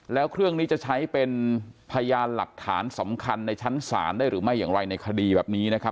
แล้วเครื่องนี้จะใช้เป็นพยานหลักฐานสำคัญในชั้นศาลได้หรือไม่อย่างไรในคดีแบบนี้นะครับ